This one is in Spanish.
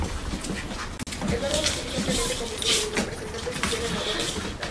Eduardo lo utilizó ampliamente como su representante oficial en la Europa continental.